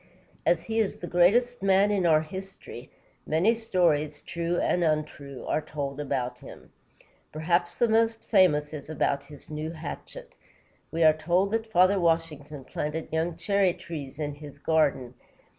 As he is the greatest man in our history, many stories, true and untrue, are told about him. Perhaps the most famous is about his new hatchet. We are told that Father Washington planted young cherry trees in his garden.